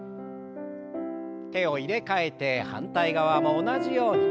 手を入れ替えて反対側も同じように。